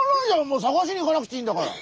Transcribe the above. もう探しに行かなくていいんだから。